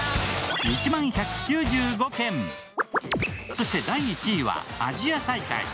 そして第１位は、アジア大会。